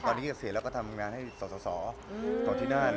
ตอนนี้เกษียณแล้วก็ทำงานให้สอสอต่อที่นั่น